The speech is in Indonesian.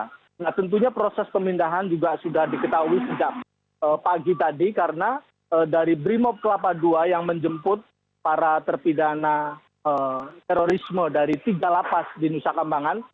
nah tentunya proses pemindahan juga sudah diketahui sejak pagi tadi karena dari brimob kelapa ii yang menjemput para terpidana terorisme dari tiga lapas di nusa kambangan